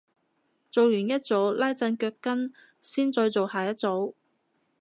做完一組拉陣腳筋先再做下一組